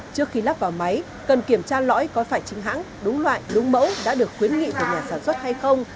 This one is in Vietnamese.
trước khi lắp vào máy cần kiểm tra lõi có phải chính hãng đúng loại đúng mẫu đã được khuyến nghị từ nhà sản xuất hay không